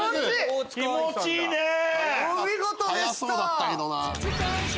お見事でした！